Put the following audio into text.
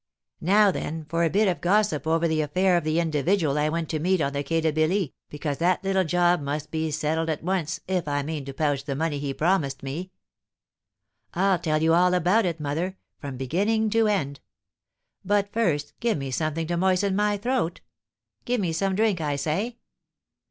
Now, then, for a bit of gossip over the affair of the individual I went to meet on the Quai de Billy, because that little job must be settled at once if I mean to pouch the money he promised me. I'll tell you all about it, mother, from beginning to end. But first give me something to moisten my throat. Give me some drink, I say!